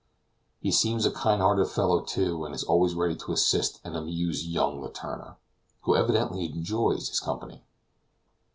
He seems a kind hearted fellow, too, and is always ready to assist and amuse young Letourneur, who evidently enjoys his company.